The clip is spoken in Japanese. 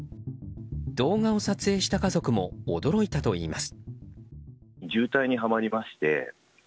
動画を撮影した家族も驚いたといいます。